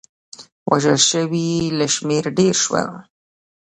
وژل شوي له شمېر ډېر شول.